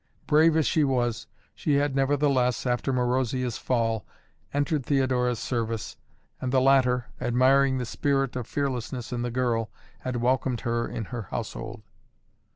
Brave as she was, she had nevertheless, after Marozia's fall, entered Theodora's service, and the latter, admiring the spirit of fearlessness in the girl, had welcomed her in her household.